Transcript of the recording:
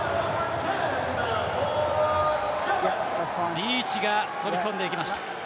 リーチが飛び込んでいきました。